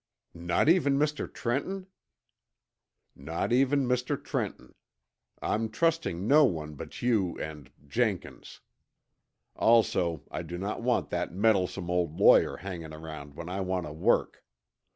"Not even Mr. Trenton?" "Not even Mr. Trenton. I'm trusting no one but you and Jenkins. Also, I do not want that meddlesome old lawyer hanging around when I want to work.